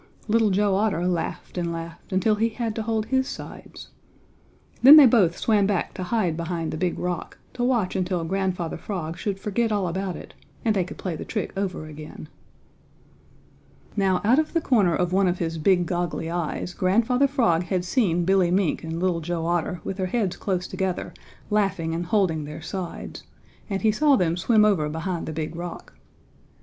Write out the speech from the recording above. Little Joe Otter laughed and laughed until he had to hold his sides. Then they both swam back to hide behind the Big Rock to watch until Grandfather Frog should forget all about it, and they could play the trick over again. Now, out of the corner of one of his big goggly eyes, Grandfather Frog had seen Billy Mink and Little Joe Otter with their heads close together, laughing and holding their sides, and he saw them swim over behind the Big Rock.